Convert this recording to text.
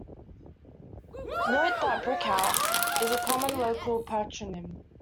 Note that "Brickhouse" is a common local patronym.